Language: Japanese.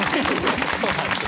そうなんですよ。